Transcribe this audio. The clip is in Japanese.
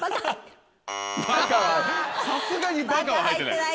さすがに「バカ」は入ってない。